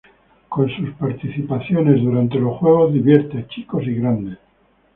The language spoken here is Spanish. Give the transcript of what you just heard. Con sus participaciones durante los juegos divierte a chicos y grandes.